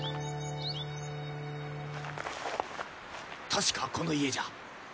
確かこの家じゃ。